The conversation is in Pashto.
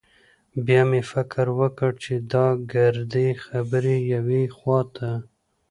بيا مې فکر وکړ چې دا ګردې خبرې يوې خوا ته.